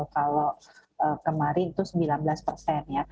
kalau kemarin itu sembilan belas persen